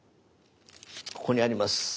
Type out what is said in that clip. ここにあります。